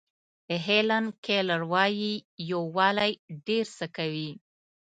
هیلن کیلر وایي یووالی ډېر څه کوي.